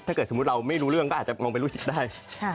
ถ้าเกิดสมมุติเราไม่รู้เรื่องก็อาจจะมองเป็นลูกชิดได้